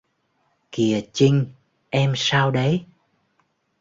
Kìa Chinh em sao đấy